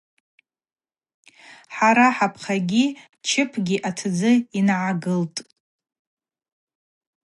Хӏара хӏапгьи чыпгьи атдзы йнагӏгылтӏ.